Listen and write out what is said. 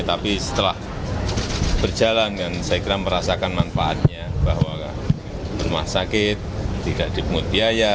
tapi setelah berjalan kan saya kira merasakan manfaatnya bahwa rumah sakit tidak dipungut biaya